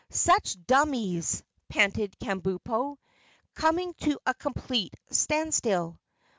"Such dummies!" panted Kabumpo, coming to a complete standstill.